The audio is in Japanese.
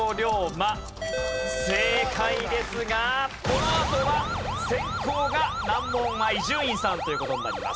正解ですがこのあとは先攻が難問は伊集院さんという事になります。